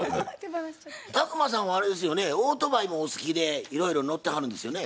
宅麻さんはあれですよねオートバイもお好きでいろいろ乗ってはるんですよね？